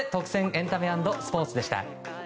エンタメ＆スポーツでした。